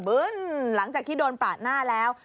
หลังจากที่โดนปาดหน้าแล้ว